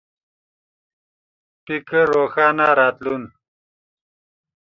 فکر روښانه راتلون